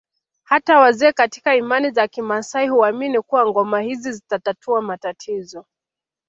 Hata wazee katika imani za kimaasai huamini kuwa ngoma hizi zitatatua matatizo